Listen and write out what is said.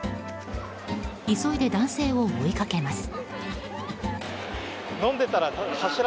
急いで男性を追いかけます。